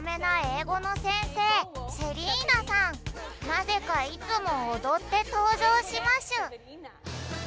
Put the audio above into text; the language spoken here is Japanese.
なぜかいつもおどってとうじょうしましゅ